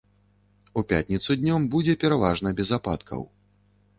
У пятніцу днём будзе пераважна без ападкаў.